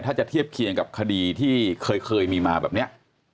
ถ้าจะเทียบเคียงกับคดีที่เคยมีมาแบบนี้